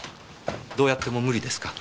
どうやってもムリですか？